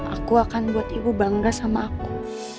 aku akan buat ibu bangga sama aku